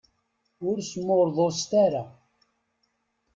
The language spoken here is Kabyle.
Ur smurḍuset ara.